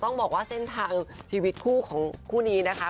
ต้องบอกว่าทีวิตคู่ของคู่นี้นะคะ